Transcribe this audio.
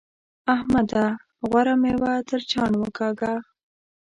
احمده! غوره مېوه تر چاڼ وکاږه.